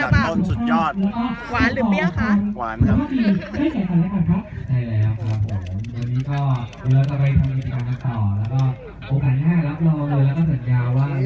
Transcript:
อร่อยไหมอร่อยสุดยอดหวานหรือเปรี้ยวคะหวานครับ